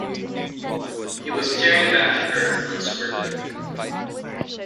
He was staring back at her, unswerving.